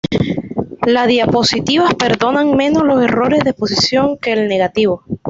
Las diapositivas perdonan menos los errores de exposición que el negativo.